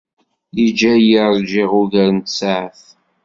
Yejja-iyi ṛjiɣ ugar n tsaɛet.